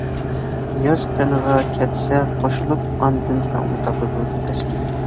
ياز قېنىغا كەتسە قوشۇلۇپ، ئاندىن كۆڭلى تاپىدۇ تەسكىن.